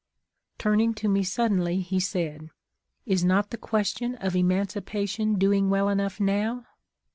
Turning to me suddenly he said. ' Is not the question of emancipation doing well enough now